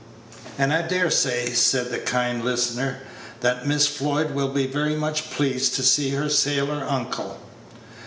"And I dare say," said the kind listener, "that Miss Floyd will be very much pleased to see her sailor uncle."